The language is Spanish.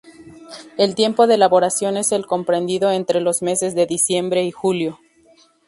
El tiempo de elaboración es el comprendido entre los meses de diciembre y julio.